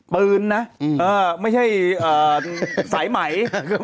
ปืนไม่ใช่สายใหม่